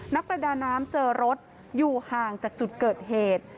นักประดาน้ำเจอรถอยู่ห่างจากจุดเกิดเหตุ